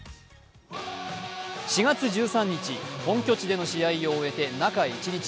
４月１３日、本拠地での試合を終えて中１日。